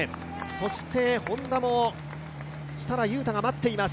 そしてＨｏｎｄａも設楽悠太が待っています。